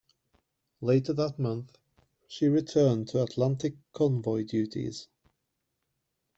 Later that month, she returned to Atlantic convoy duties.